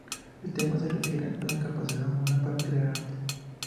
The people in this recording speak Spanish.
El tema se refiere a la capacidad humana para crear arte.